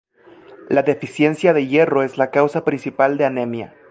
La deficiencia de hierro es la causa principal de anemia.